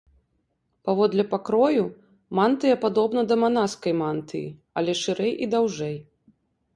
Паводле пакрою, мантыя падобна да манаскай мантыі, але шырэй і даўжэй.